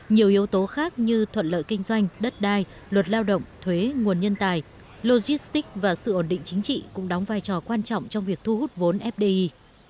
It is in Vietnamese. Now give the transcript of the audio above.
nhiều yếu tố khác như thuận lợi kinh doanh đất đai luật lao động thuế nguồn nhân tài logistic và sự ổn định chính trị cũng đóng vai trò quan trọng trong việc thu hút vốn fdi